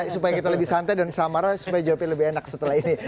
supaya kita lebih santai dan samara supaya jawabnya lebih enak setelah ini